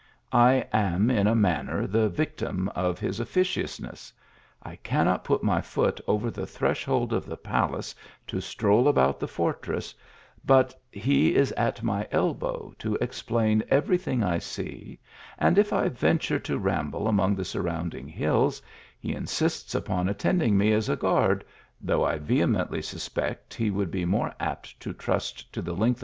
I am in a Banner the victim of his officious ness ; I cannot put my foot over the threshold of the palace to stroll about the fortress, but he is at my ebow to explain every thing I see, and if I venture to ramble among the surrounding hills, he insists upon attending me as a guard, though I vehemently suspect he would be more apt to trust to the length 52 THE ALHAMBRA.